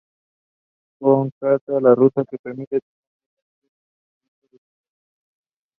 He also spent time with the Los Angeles Avengers of the Arena Football League.